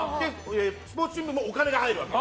スポーツ新聞もお金が入るわけ。